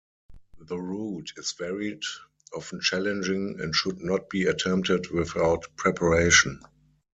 The route is varied, often challenging and should not be attempted without preparation.